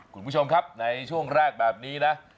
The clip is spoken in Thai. คุณผู้ชมครับในช่วงแรกแบบนี้นะ